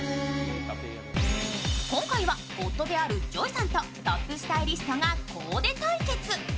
今回は、夫であるＪＯＹさんとトップスタイリストがコーデ対決。